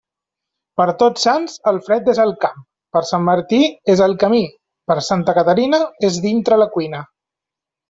Per Tots Sants, el fred és al camp; per Sant Martí, és al camí; per Santa Caterina, és dintre la cuina.